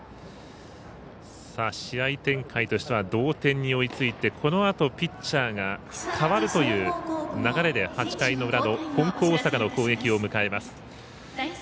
試合展開としては同点に追いついてこのあとピッチャーが代わるという流れで８回の裏の金光大阪の攻撃を迎えます。